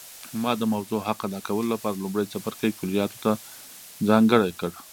ما د موضوع حق ادا کولو لپاره لومړی څپرکی کلیاتو ته ځانګړی کړ